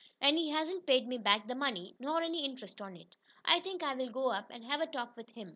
And he hasn't paid me back the money, nor any interest on it. I think I'll go up and have a talk with him.